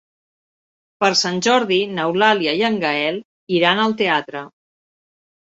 Per Sant Jordi n'Eulàlia i en Gaël iran al teatre.